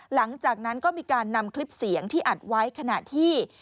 หลังจากนั้นก็มีการนำคลิปเสียงที่อัดไว้ขณะที่